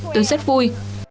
tôi rất vui